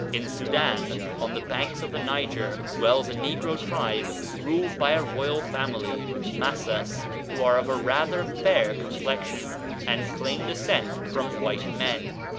In Soudan, on the banks of the Niger, dwells a negro tribe ruled by a royal family (Masas), who are of rather fair complexion, and claim descent from white men.